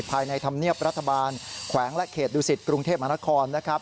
ภายในธรรมเนียบรัฐบาลแขวงและเขตดูสิทธิ์กรุงเทพฯมหานคร